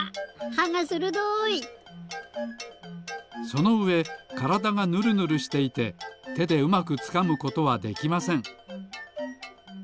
そのうえからだがぬるぬるしていててでうまくつかむことはできません。